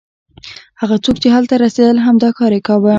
هغه څوک چې هلته رسېدل همدا کار یې کاوه.